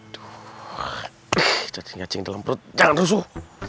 jatuh jatuh ngacing dalam perut jangan rusuh